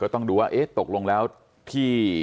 ก็ต้องดูว่าตกลงแล้วที่